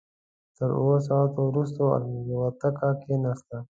تر اوو ساعتونو وروسته الوتکه کېناسته.